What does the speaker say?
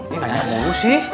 ini nanya mulu sih